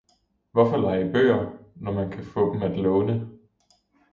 Hvorfor leje bøger, når man kan få dem at låne.